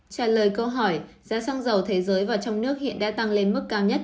trả lời câu hỏi giá xăng dầu thế giới và trong nước hiện đã tăng lên mức cao nhất